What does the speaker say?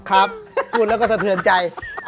ครับพูดแล้วก็สะเทือนใจ